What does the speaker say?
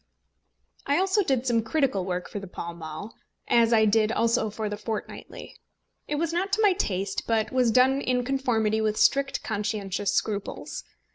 I also did some critical work for the Pall Mall, as I did also for The Fortnightly. It was not to my taste, but was done in conformity with strict conscientious scruples.